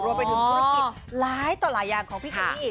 รวมไปถึงธุรกิจร้ายต่อหลายอย่างของพี่เคมี